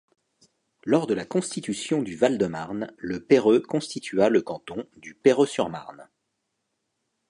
Lors de la constitution du Val-de-Marne, Le Perreux constitua le canton du Perreux-sur-Marne.